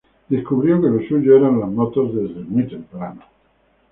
Descubrió que lo suyo eran las motos desde muy temprano.